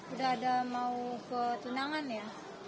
udah ada mau ke tunangan ya